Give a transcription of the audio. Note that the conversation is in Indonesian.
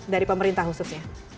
dari pemerintah khususnya